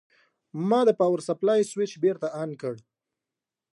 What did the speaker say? ما د پاور سپلای سویچ بېرته آن کړ.